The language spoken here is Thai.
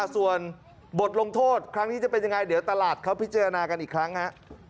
ส่วนบทลงโทษครั้งนี้จะเป็นยังไงเดี๋ยวตลาดเขาพิจารณากันอีกครั้งฮะ